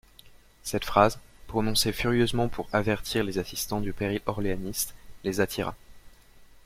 Cette phrase, prononcée furieusement pour avertir les assistants du péril orléaniste, les attira.